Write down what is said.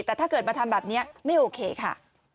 แต่ถ้าเกิดมาทำแบบนี้ไม่โอเคค่ะ